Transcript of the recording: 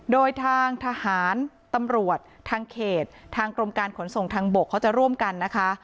โดยทางทหารตำรวจทางเขตทางกรมการขนส่งทางบกเขาจะร่วมกันนะคะ